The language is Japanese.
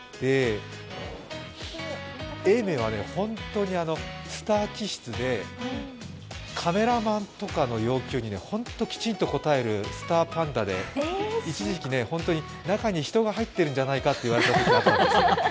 永明は本当にスター気質でカメラマンとかの要求にきちんと応えるスター気質で一時期、中に人が入っているんじゃないかと言われていたことがあったんです。